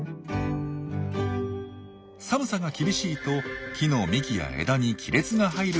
寒さが厳しいと木の幹や枝に亀裂が入ることがあります。